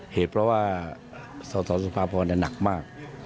เหตุเพราะว่าสสสุภาพรหนักมาก